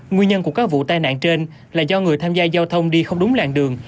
nguyên nhân của các vụ tai nạn trên là do người tham gia giao thông đi không đúng làng đường